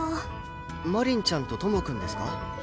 マリンちゃんとトモくんですか？